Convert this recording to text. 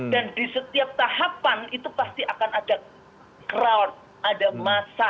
dan di setiap tahapan itu pasti akan ada crowd ada massa